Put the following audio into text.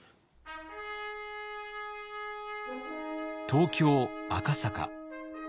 東京・赤坂。